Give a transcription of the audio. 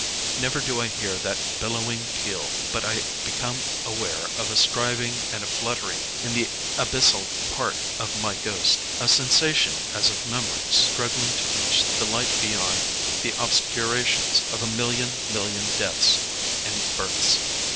Never do I hear that billowing peal but I become aware of a striving and a fluttering in the abyssal part of my ghost, ŌĆöa sensation as of memories struggling to reach the light beyond the obscurations of a million million deaths and births.